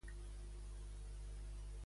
I quin percentatge d'aquests són de Tetis?